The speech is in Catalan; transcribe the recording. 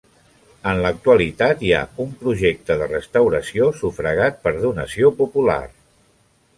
En l'actualitat hi ha un projecte de restauració sufragat per donació popular.